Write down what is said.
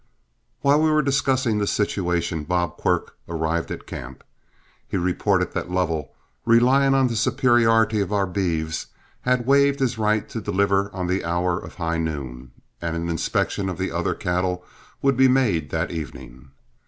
While we were discussing the situation, Bob Quirk arrived at camp. He reported that Lovell, relying on the superiority of our beeves, had waived his right to deliver on the hour of high noon, and an inspection of the other cattle would be made that evening.